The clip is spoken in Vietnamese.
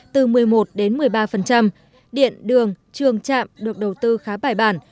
từ một mươi một đến một mươi ba điện đường trường trạm được đầu tư khá bài bản